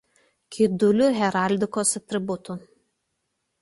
Kidulių heraldikos atributų.